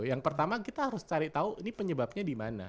yang pertama kita harus cari tahu ini penyebabnya di mana